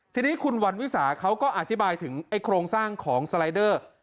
ทีนี้คุณวันวิสาเขาก็อธิบายถึงไอ้โครงสร้างของสไลเดอร์